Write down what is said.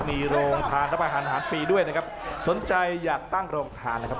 มีโรงทานรับอาหารทานฟรีด้วยนะครับสนใจอยากตั้งโรงทานนะครับ